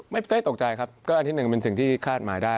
ไม่ได้ตกใจครับก็อันที่หนึ่งเป็นสิ่งที่คาดหมายได้